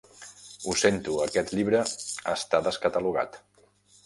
Ho sento, aquest llibre està descatalogat.